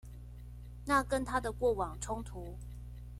那跟他的過往衝突